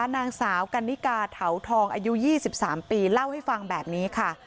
นางสาวกันนิกาเถาทองอายุ๒๓ปีเล่าให้ฟังแบบนี้ค่ะ